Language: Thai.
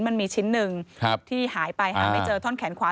มันมีชิ้นหนึ่งที่หายไปหาไม่เจอท่อนแขนขวา